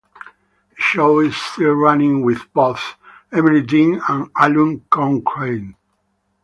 The show is still running with both Emily Dean and Alun Cochrane.